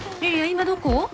今どこ？